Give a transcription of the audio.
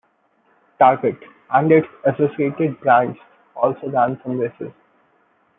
Target, and its associated brands, also ran some races.